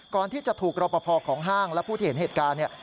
ก่อนที่จะถูกรอปภของห้างและผู้ที่เห็นเหตุการณ์เนี่ย